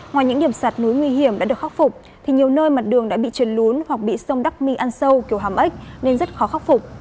ngoài những điểm sạt núi nguy hiểm đã được khắc phục thì nhiều nơi mặt đường đã bị trượn lún hoặc bị sông đắc my ăn sâu kiểu hàm ếch nên rất khó khắc phục